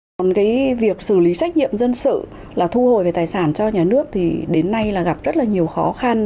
còn việc xử lý xét nghiệm dân sự là thu hồi về tài sản cho nhà nước thì đến nay gặp rất nhiều khó khăn